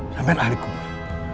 sampaian ahli kubur